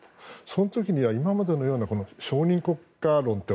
その時には今までのような小児国家論と